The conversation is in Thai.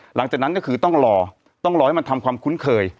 หลังจากนั้นก็คือต้องรอต้องรอให้มันทำความคุ้นเคย